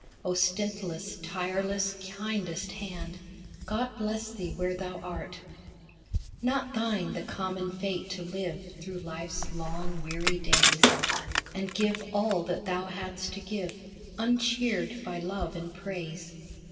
Oh stintless, tireless, kindest hand, God bless thee where thou art ! COR CORDIUM Not thine the common fate to live Through life's long weary days, And give all that thou had'st to give Uncheered by love and praise.